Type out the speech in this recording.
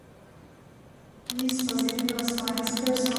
Yeats was influenced by his personal feelings.